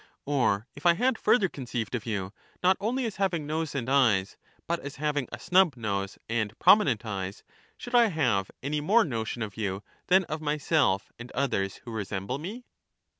Or if I had further conceived of you, not only as having nose and eyes, but as having a snub nose and pro minent eyes, should I have any more notion of you than of myself and others who resemble me